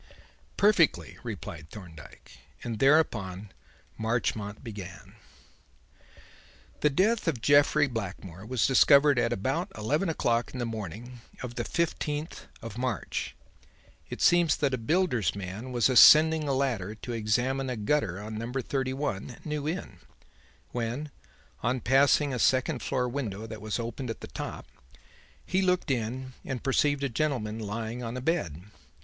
"Perfectly," replied Thorndyke; and thereupon Marchmont began: "The death of Jeffrey Blackmore was discovered at about eleven o'clock in the morning of the fifteenth of March. It seems that a builder's man was ascending a ladder to examine a gutter on number 31, New Inn, when, on passing a second floor window that was open at the top, he looked in and perceived a gentleman lying on a bed.